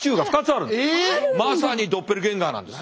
まさにドッペルゲンガーなんです。